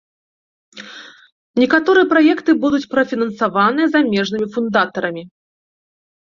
Некаторыя праекты будуць прафінансаваныя замежнымі фундатарамі.